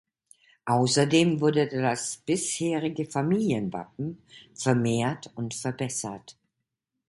Außerdem wurde das bisherige Familienwappen vermehrt und verbessert.